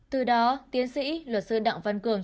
từ đó tiến sĩ luật sư đặng văn cường